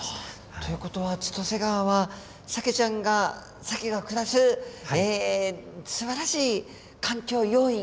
という事は千歳川はサケちゃんがサケが暮らすすばらしい環境要因が。